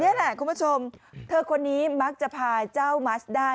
นี่แหละคุณผู้ชมเธอคนนี้มักจะพาเจ้ามัสได้